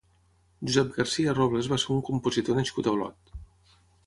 Josep Garcia Robles va ser un compositor nascut a Olot.